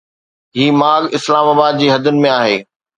هي ماڳ اسلام آباد جي حدن ۾ آهي